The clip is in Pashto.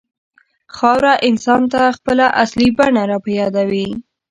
خاوره انسان ته خپله اصلي بڼه راپه یادوي.